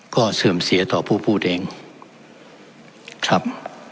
ก็เสื่อมเสียต่อผู้พูดเองครับ